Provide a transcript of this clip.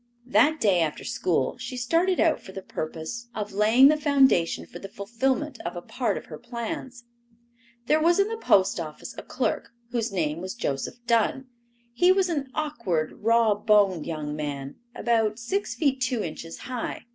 That day after school she started out for the purpose of laying the foundation for the fulfillment of a part of her plans. There was in the post office a clerk whose name was Joseph Dunn. He was an awkward, rawboned young man, about six feet two inches high.